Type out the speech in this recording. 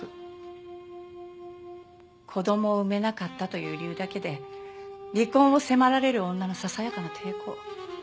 子供を産めなかったという理由だけで離婚を迫られる女のささやかな抵抗。